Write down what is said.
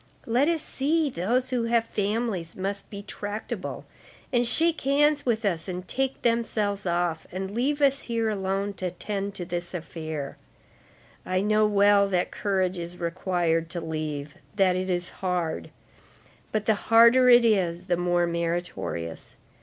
Let us see, those who have families must be tractable, and shake hands with us and take themselves off, and leave us here alone to attend to this affair. I know well that courage is required to leave, that it is hard; but the harder it is, the more meritorious.